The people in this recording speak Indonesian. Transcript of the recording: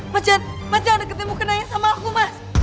mas jangan mas jangan deketin mau kena yang sama aku mas